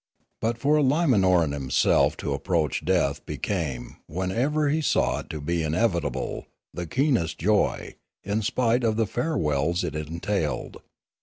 But for a Limanoran himself to approach death became, when ever he saw it to be inevitable, the keenest joy, in spite of the farewells it entailed.